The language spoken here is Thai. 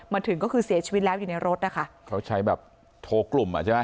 มาถึงก็คือเสียชีวิตแล้วอยู่ในรถนะคะเขาใช้แบบโทรกลุ่มอ่ะใช่ไหม